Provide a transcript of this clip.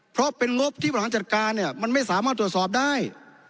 เพราะเป็นงบที่บริหารจัดการเนี่ยมันไม่สามารถตรวจสอบได้